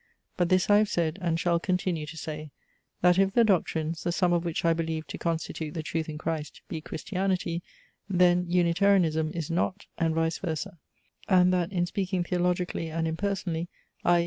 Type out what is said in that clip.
But this I have said, and shall continue to say: that if the doctrines, the sum of which I believe to constitute the truth in Christ, be Christianity, then Unitarianism is not, and vice versa: and that, in speaking theologically and impersonally, i.